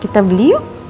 kita beli yuk